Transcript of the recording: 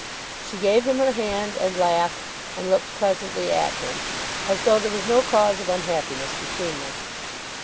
She gave him her hand, and laughed, and looked pleasantly at him, as though there was no cause of unhappiness between them.